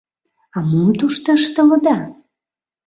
— А мом тушто ыштылыда?